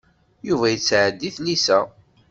Yuba yettɛeddi i tlisa.